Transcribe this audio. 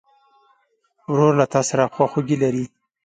ورور له تا سره خواخوږي لري.